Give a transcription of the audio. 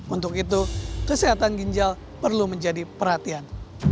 untuk itu kesehatan ginjal perlu menjadi perhatian